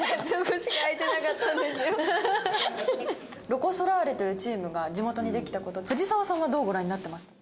ロコ・ソラーレというチームが地元にできた事藤澤さんはどうご覧になってました？